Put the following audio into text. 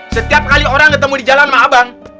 setiap kali orang ketemu di jalan mah abang